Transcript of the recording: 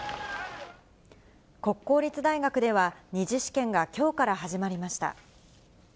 国公立大学では、２次試験がきょうから始まりました。